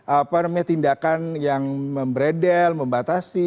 apakah ada tindakan yang membedel membatasi